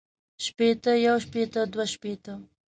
شپېتۀ يو شپېته دوه شپېته